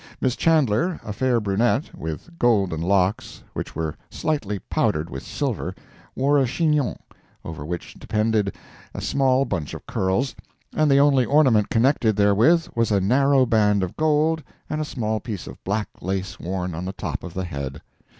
Miss Chandler, a fair brunette, with golden locks, which were slightly powdered with silver, wore a chignon, over which depended a small bunch of curls, and the only ornament connected therewith was a narrow band of gold and a small piece of black lace worn on the top of the head.